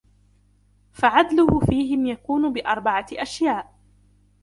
فَعَدْلُهُ فِيهِمْ يَكُونُ بِأَرْبَعَةِ أَشْيَاءَ